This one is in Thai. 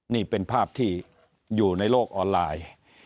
นี่เป็นภาพที่อยู่ในโลกออนไลน์